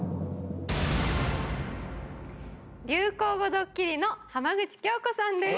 流行語ドッキリの浜口京子さんです。